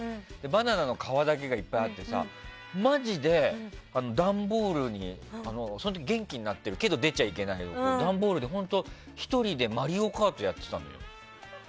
バナナの皮だけがいっぱいあってさマジで段ボールにその時、元気になってるけど出ちゃいけない時で１人で「マリオカート」やってたのよ。